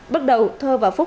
bước đầu thơ và phúc